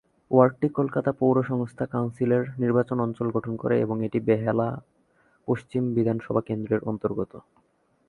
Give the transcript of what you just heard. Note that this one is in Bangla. ওয়ার্ডটি কলকাতা পৌর সংস্থা কাউন্সিলের নির্বাচনী অঞ্চল গঠন করে এবং এটি বেহালা পশ্চিম বিধানসভা কেন্দ্র এর অন্তর্গত।